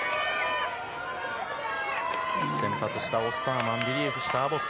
先発したオスターマンリリーフしたアボット。